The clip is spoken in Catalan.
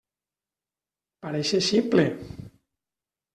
Pareixes ximple!